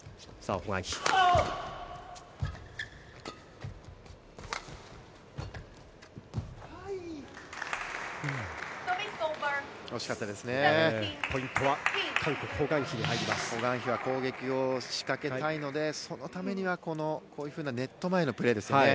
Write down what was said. ホ・グァンヒは攻撃を仕掛けたいのでそのためには、こういうふうなネット前のプレーですね。